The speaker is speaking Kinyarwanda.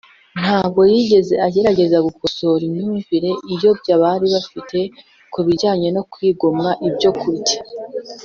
ntabwo yigeze agerageza gukosora imyumvire iyobye bari bafite ku bijyanye no kwigomwa ibyo kurya,